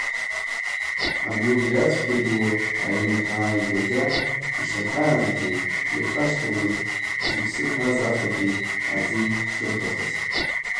Агәырҩацәгьа ду аҩнаҭа ааигәаӡа ишаҭаазгьы, ирхашҭуамызт зԥсы ҭаз афатәи аӡи шырҭахыз.